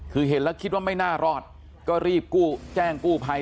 คือเห็นแล้วคิดว่าไม่น่ารอดก็รีบแจ้งกู้ภัย